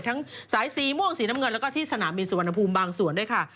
ทั้งสายสีม่วงสีน้ำเงินแล้วก็ที่สนามบินสุวรรณภูมิบางส่วนด้วยค่ะ